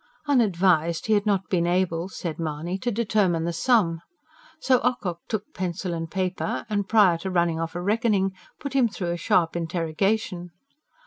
Unadvised, he had not been able, said Mahony, to determine the sum. So Ocock took pencil and paper, and, prior to running off a reckoning, put him through a sharp interrogation.